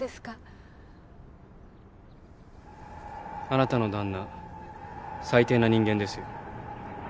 あなたの旦那最低な人間ですよ。